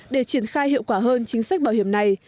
để triển khai hiệu quả hơn chính sách bảo hiểm này